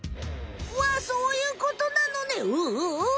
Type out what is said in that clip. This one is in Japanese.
わそういうことなのね。